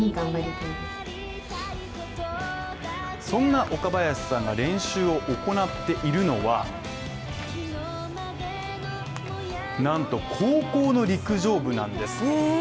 そんな岡林さんが練習を行っているのはなんと高校の陸上部なんです。